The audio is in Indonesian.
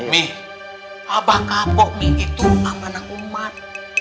umi abah kapok mi itu amanah umat